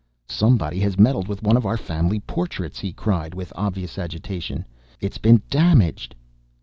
"Somebody has meddled with one of our family portraits," he cried with obvious agitation. "It's been damaged...."